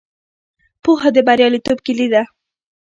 پوهه د بریالیتوب کیلي ده.